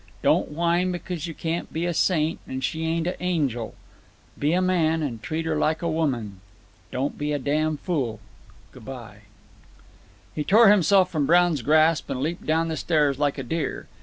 Don't whine because you can't be a saint, and she ain't an angel. Be a man and treat her like a woman. Don't be a damn fool. Good by." He tore himself from Brown's grasp, and leaped down the stairs like a deer.